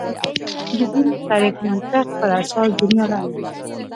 د دین صریح منطق پر اساس دنیا لنډه ده.